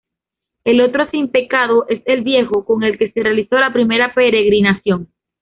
El otro simpecado es el "viejo", con el que se realizó la primera peregrinación.